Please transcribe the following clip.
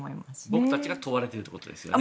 僕たちが問われてるということですよね。